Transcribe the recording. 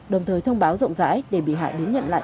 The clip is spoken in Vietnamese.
đồng thời thông báo rộng rãi để bị hại đến nhận lại